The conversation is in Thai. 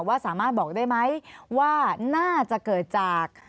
ว่าสามารถบอกได้ไหมว่าน่าจะเกิดจาก